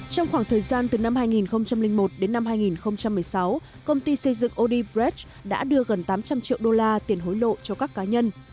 trong khoảng thời gian từ năm hai nghìn một đến năm hai nghìn một mươi sáu công ty xây dựng ody bret đã đưa gần tám trăm linh triệu đô la tiền hối lộ cho các cá nhân